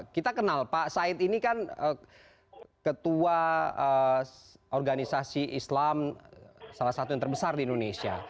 kita kenal pak said ini kan ketua organisasi islam salah satu yang terbesar di indonesia